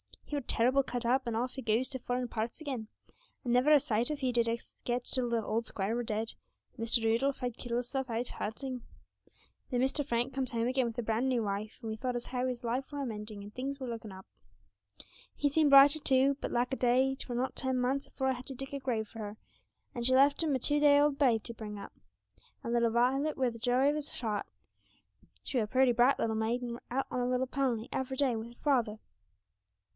He were terrible cut up, and off he goes to foreign parts again, and never a sight of he did us get till the old squire were dead, and Mr. Rudolph had killed hisself out hunting. Then Mr. Frank comes home agen with a bran new wife, and we thought as how his life were a mending, and things were looking up. He seemed brighter, too; but lack a day, 'twere not ten months afore I had to dig a grave for her, and she left him a two day old babe to bring up and little Miss Violet were the joy of his heart she were a purty, bright little maid, and were out on her little pony every day wi' her father.